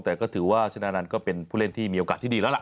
แต่ก็ถือว่าชนะนันต์ก็เป็นผู้เล่นที่มีโอกาสที่ดีแล้วล่ะ